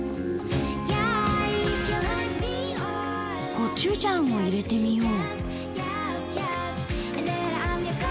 コチュジャンを入れてみよう。